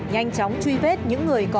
nhanh chóng truy vết những người đồng minh